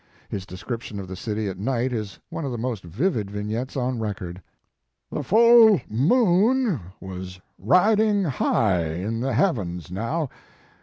His description of the city at night is one of the most vivid vignettes on record. "The full moon was riding high in the heavens now.